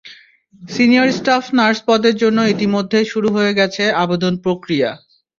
Senior staff nurse পদের জন্য ইতিমধ্যেই শুরু হয়ে গেছে আবেদন প্রক্রিয়া।